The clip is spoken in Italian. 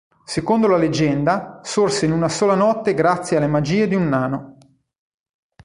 Secondo la leggenda, sorse in una sola notte grazie alle magie di un nano.